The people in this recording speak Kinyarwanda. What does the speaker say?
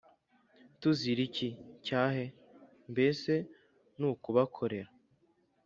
tuzira iki? cya he? mbese ni ukubakorera,